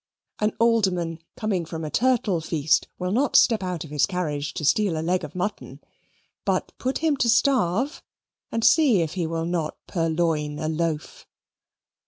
An alderman coming from a turtle feast will not step out of his carriage to steal a leg of mutton; but put him to starve, and see if he will not purloin a loaf.